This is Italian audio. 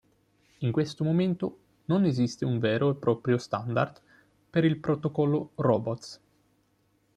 In questo momento non esiste un vero e proprio standard per il protocollo robots.